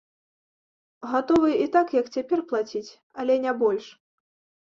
Гатовы і так, як цяпер, плаціць, але не больш.